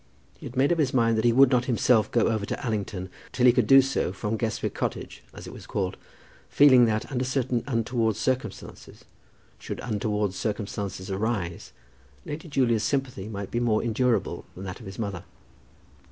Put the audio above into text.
He had made up his mind that he would not himself go over to Allington till he could do so from Guestwick Cottage, as it was called, feeling that, under certain untoward circumstances, should untoward circumstances arise, Lady Julia's sympathy might be more endurable than that of his mother.